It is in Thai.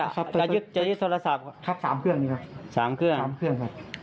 ครับันที่ซึ่ง๓เครื่อง